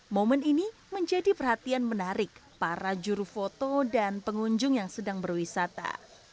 momen ini menjadi perhatian menarik para juru foto dan pengunjung yang sedang berwisata